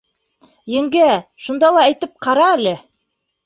— Еңгә, шунда ла әйтеп ҡара әле.